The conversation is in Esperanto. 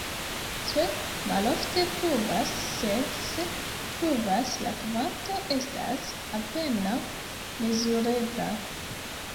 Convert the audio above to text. Tre malofte pluvas, sed se pluvas, la kvanto estas apenaŭ mezurebla.